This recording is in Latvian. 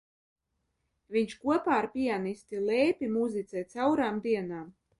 Viņš kopā ar pianisti Lēpi muzicē caurām dienām.